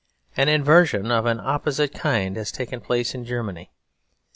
An inversion of an opposite kind has taken place in Germany.